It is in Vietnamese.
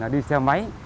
đi xe máy